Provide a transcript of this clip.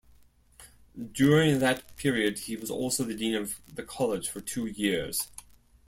During that period he was also the Dean of the College for two years.